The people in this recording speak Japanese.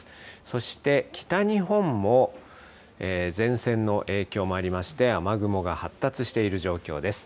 そして、北日本も前線の影響もありまして、雨雲が発達している状況です。